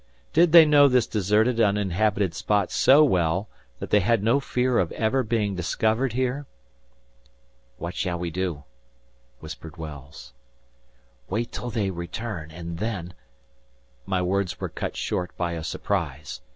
Did they know this deserted, uninhabited spot so well, that they had no fear of ever being discovered here? "What shall we do?" whispered Wells. "Wait till they return, and then—" My words were cut short by a surprise.